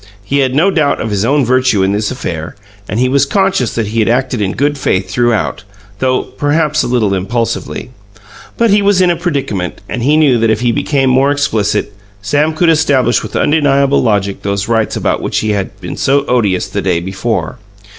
He had no doubt of his own virtue in this affair, and he was conscious that he had acted in good faith throughout though, perhaps, a little impulsively. But he was in a predicament, and he knew that if he became more explicit, Sam could establish with undeniable logic those rights about which he had been so odious the day before.